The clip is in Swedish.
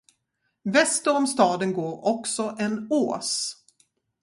Väster om staden går också en ås.